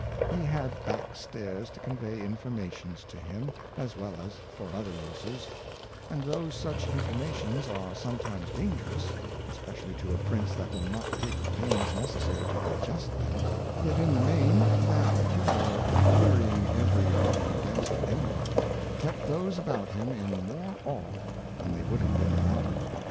He had back Stairs to convey Informations to him, as well as for other Uses ; and though such Informations are some times dangerous, (especially to a Prince that will not take the pains necessary to digest them) yet in the main, that humour of hearing every bodji^agcdnsl an][body, kept those about him in ■ more awe, than they would have been without it.